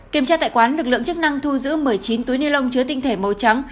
kiểm tra tại quán lực lượng chức năng thu giữ một mươi chín túi ni lông chứa tinh thể màu trắng